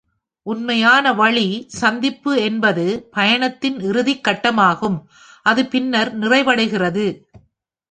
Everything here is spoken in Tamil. உண்மையான வழி சந்திப்பு என்பது பயணத்தின் இறுதிக் கட்டமாகும், அது பின்னர் நிறைவடைகிறது.